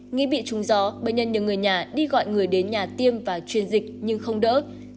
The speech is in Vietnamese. nghĩ bị trùng gió bệnh nhân được người nhà đi gọi người đến nhà tiêm và truyền dịch nhưng không đỡ